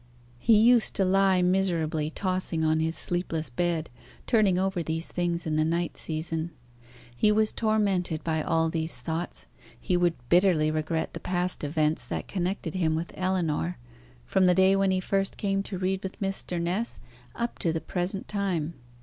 He used to lie miserably tossing on his sleepless bed, turning over these things in the night season. He was tormented by all these thoughts; he would bitterly regret the past events that connected him with Ellinor, from the day when he first came to read with Mr. Ness up to the present time.